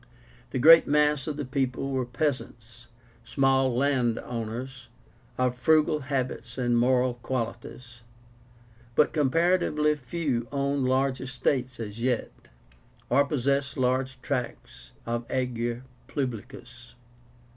The great mass of the people were peasants, small land owners, of frugal habits and moral qualities. But comparatively few owned large estates as yet, or possessed large tracts of the Ager Publicus.